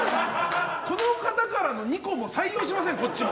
この方からの２個も採用しません。